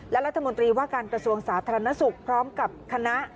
และรัฐมนตรีว่าการกระทรวงสาธารณสุขพร้อมกับคณะ